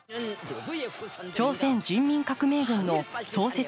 朝鮮人民革命軍の創設